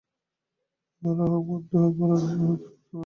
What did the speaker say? ভালই হউক বা মন্দই হউক, ভালবাসাই সকলকে প্রেরণা দেয়।